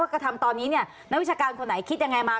ว่ากฎธรรมตอนนี้นักวิจการคนไหนคิดอย่างไรมา